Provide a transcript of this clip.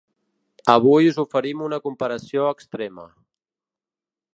Avui us oferim una comparació extrema.